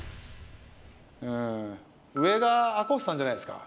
上が赤星さんじゃないですか？